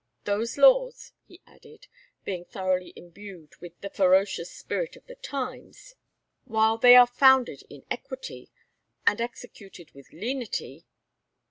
Those laws," he added, being thoroughly imbued with the ferocious spirit of the times, "while they are founded in equity, and executed with lenity